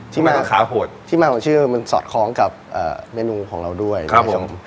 ที่มาขาหดที่มาของชื่อมันสอดคล้องกับเมนูของเราด้วยครับผม